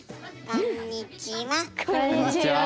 こんにちは。